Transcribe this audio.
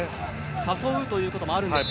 誘うということもあるんですか？